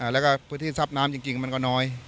แล้วก็พื้นที่ซับน้ำจริงมันก็น้อย